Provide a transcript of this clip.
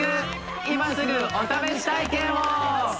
今すぐお試し体験を！